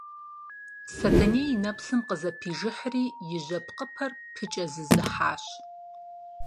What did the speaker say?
Сэтэней и нэпсым къызэпижыхьри и жьэпкъыпэр пыкӀэзызыхьащ.